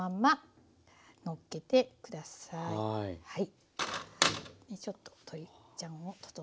はい。